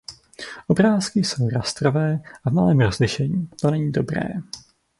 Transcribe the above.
Obrázky jsou rastrové a v malém rozlišení, to není dobré.